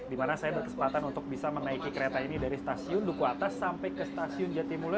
di mana saya berkesempatan untuk bisa menaiki kereta ini dari stasiun duku atas sampai ke stasiun jatimula